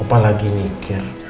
opah lagi mikir